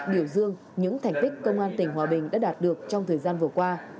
biểu dương những thành tích công an tỉnh hòa bình đã đạt được trong thời gian vừa qua